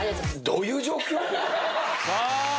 どういう状況？